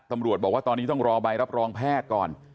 ตำรวจบอกว่าตอนนี้ต้องรอใบรับรองแพทย์ก่อน